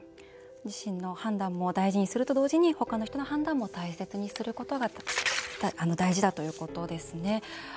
自身の判断も大事にすると同時に他の人の判断も大切にすることが大事だということですね。